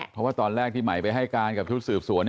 เพราะว่าตอนแรกที่ใหม่ไปให้การกับชุดสืบสวน